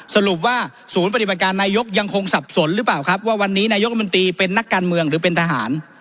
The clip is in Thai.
สรุปว่าศูนย์ปฏิบัติการนายกยังคงสับสนหรือเปล่าครับว่าวันนี้นายกรมนตรีเป็นนักการเมืองหรือเป็นทหาร